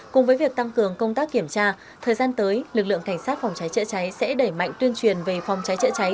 cùng với việc tăng cường công tác kiểm tra thời gian tới lực lượng cảnh sát phòng cháy chữa cháy sẽ đẩy mạnh tuyên truyền về phòng cháy chữa cháy